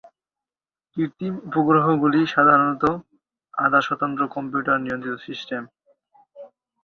কৃত্রিম উপগ্রহগুলি সাধারণত আধা-স্বতন্ত্র কম্পিউটার-নিয়ন্ত্রিত সিস্টেম।